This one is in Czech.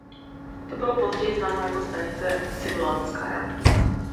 To bylo později známo jako stanice "Cimlanskaja".